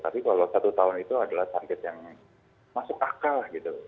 tapi kalau satu tahun itu adalah target yang masuk akal gitu